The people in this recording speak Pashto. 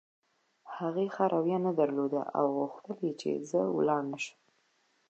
هغې ښه رویه نه درلوده او غوښتل یې چې زه ولاړ نه شم.